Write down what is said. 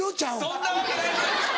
そんなわけない！